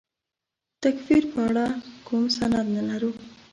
د تکفیر په اړه کوم سند نه لرو.